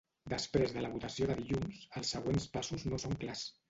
Després de la votació de dilluns, els següents passos no són clars.